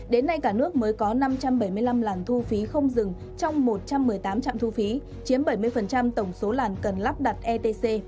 đến nay cả nước mới có năm trăm bảy mươi năm làn thu phí không dừng trong một trăm một mươi tám trạm thu phí chiếm bảy mươi tổng số làn cần lắp đặt etc